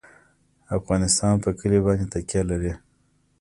افغانستان په کلي باندې تکیه لري.